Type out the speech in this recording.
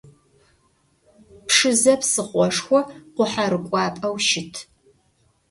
Пшызэ псыхъошхо, къухьэрыкӏуапӏэу щыт.